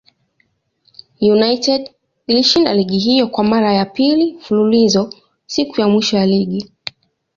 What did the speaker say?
United ilishinda ligi hiyo kwa mara ya pili mfululizo siku ya mwisho ya ligi.